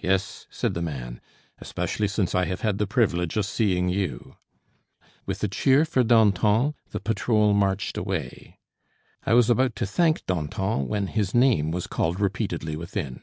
"Yes," said the man; "especially since I have had the privilege of seeing you." With a cheer for Danton, the patrol marched away. I was about to thank Danton, when his name was called repeatedly within.